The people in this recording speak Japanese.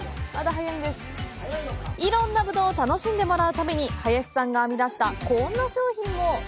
いろんなブドウを楽しんでもらうために林さんが編み出したこんな商品も。